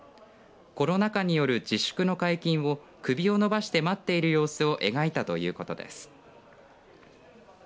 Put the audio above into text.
コロナ禍による自粛の解禁を首を伸ばして待っている様子を描いたということです。